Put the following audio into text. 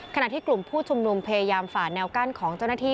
ขณะที่กลุ่มผู้ชุมนุมพยายามฝ่าแนวกั้นของเจ้าหน้าที่